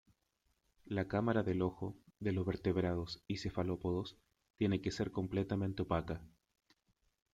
La cámara del ojo de los vertebrados y cefalópodos tiene que ser completamente opaca.